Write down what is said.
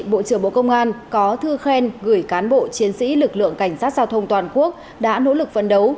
bộ trưởng bộ công an có thư khen gửi cán bộ chiến sĩ lực lượng cảnh sát giao thông toàn quốc đã nỗ lực phấn đấu